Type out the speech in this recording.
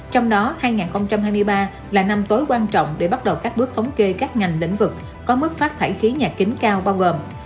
trong đó hai nghìn hai mươi ba là năm tối quan trọng để bắt đầu các bước thống kê các ngành lĩnh vực có mức phát thải khí nhà kính cao bao gồm